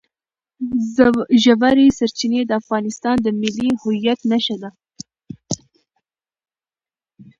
ژورې سرچینې د افغانستان د ملي هویت نښه ده.